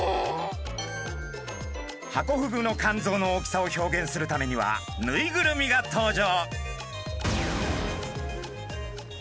ハコフグの肝臓の大きさを表現するためにはぬいぐるみが登場。